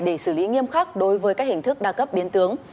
để xử lý nghiêm khắc đối với các hình thức đa cấp biến tướng